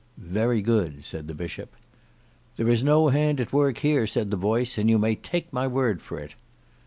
"Very good," said the Bishop. "There is no hand at work here," said the voice; "and you may take my word for it."